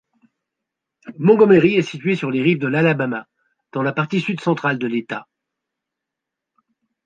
Montgomery est située sur les rives de l'Alabama, dans la partie sud-centrale de l'État.